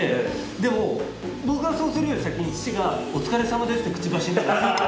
でも僕がそうするより先に父が「お疲れさまです」って口走るんです。